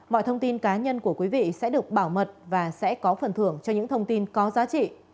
mọi thông tin cá nhân của quý vị sẽ được bảo mật và sẽ có phần thưởng cho những thông tin có giá trị